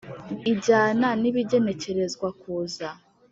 ijyana n ibigenekerezwa kuza